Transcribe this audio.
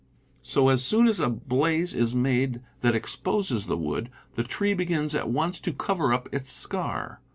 So, as soon as a blaze is made that exposes the wood, the tree begins at once to cover up its scar.